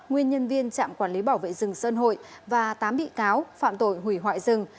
nguyên nhân viên trạm quản lý bảo vệ rừng sơn hội và tám bị cáo phạm tội hủy hoại rừng